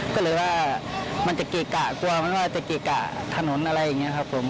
ก็เลยว่ามันจะเกะกะกลัวมันว่าจะเกะกะถนนอะไรอย่างนี้ครับผม